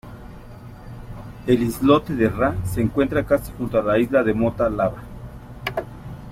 El islote de Ra se encuentra casi junto a la isla de Mota Lava.